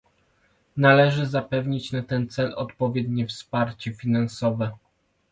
Należy zapewnić na ten cel odpowiednie wsparcie finansowe